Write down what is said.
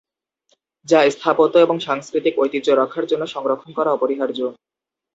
যা স্থাপত্য এবং সাংস্কৃতিক ঐতিহ্য রক্ষার জন্য সংরক্ষন করা অপরিহার্য।